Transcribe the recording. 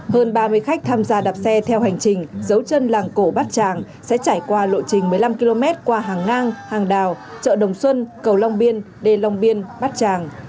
hơn ba mươi khách tham gia đạp xe theo hành trình dấu chân làng cổ bát tràng sẽ trải qua lộ trình một mươi năm km qua hàng ngang hàng đào chợ đồng xuân cầu long biên đê long biên bát tràng